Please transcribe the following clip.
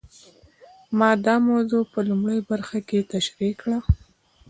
ما دا موضوع په لومړۍ برخه کې تشرېح کړه.